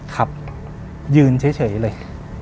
ครับยืนเฉยเลย